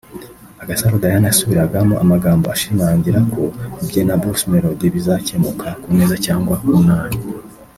Agasaro Diane yasubiragamo amagambo ashimangira ko ibye na Bruce Melody bizakemuka ku neza cyangwa ku nabi